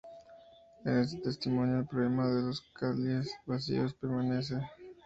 En este testimonio, el problema de "Los cálices vacíos" permanece.